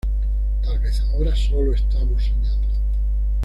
Tal vez ahora sólo estamos soñando".